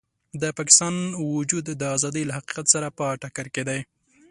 د پاکستان وجود د ازادۍ له حقیقت سره په ټکر کې دی.